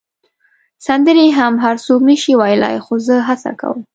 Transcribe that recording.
سندرې هم هر څوک نه شي ویلای، خو زه هڅه کوم.